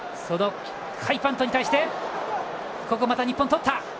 ハイパントに対してまた日本、とった。